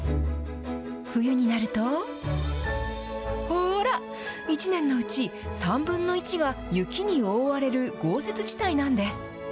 冬になると、ほーら、１年のうち３分の１が雪に覆われる豪雪地帯なんです。